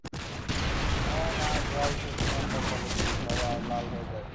আমার নাক, গাল, থুতনি আর কপালে চুলকায় আর লাল হয়ে যায়।